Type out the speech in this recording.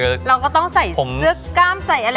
เราก็ต้องใส่เสื้อกล้ามใส่อะไร